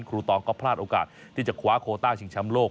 ตองก็พลาดโอกาสที่จะคว้าโคต้าชิงแชมป์โลก